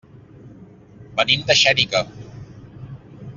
Venim de Xèrica.